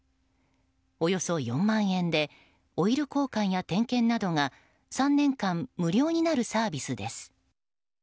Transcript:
およそ４万円でオイル交換や点検などが３年間、無料になるサービスです。